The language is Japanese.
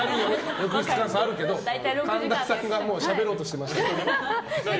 浴室乾燥あるけど神田さんがしゃべろうとしてますから。